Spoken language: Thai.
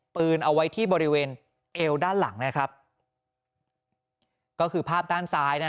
ปืนเอาไว้ที่บริเวณเอวด้านหลังนะครับก็คือภาพด้านซ้ายนะ